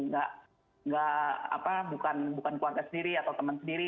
gak apa bukan keluarga sendiri atau teman sendiri